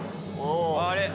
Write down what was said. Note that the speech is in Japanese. あれ？